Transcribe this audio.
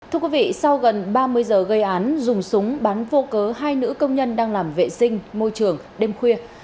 thưa quý vị sau gần ba mươi giờ gây án dùng súng bắn vô cớ hai nữ công nhân đang làm vệ sinh môi trường đêm khuya